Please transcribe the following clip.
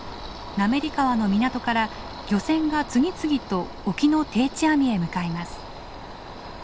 滑川の港から漁船が次々と沖の定置網へ向かいます。